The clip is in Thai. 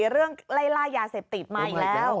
เรื่องไล่ล่ายาเสพติดมาอีกแล้ว